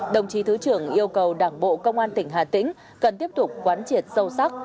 đồng chí thứ trưởng yêu cầu đảng bộ công an tỉnh hà tĩnh cần tiếp tục quán triệt sâu sắc